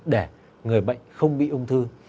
để người bệnh không bị đông thư